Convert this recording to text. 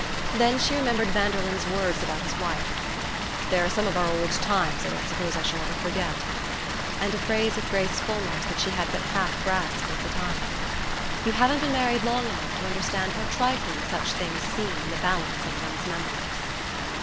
Then she remembered Vanderlyn's words about his wife: "There are some of our old times I don't suppose I shall ever forget " and a phrase of Grace Fulmer's that she had but half grasped at the time: "You haven't been married long enough to understand how trifling such things seem in the balance of one's memories."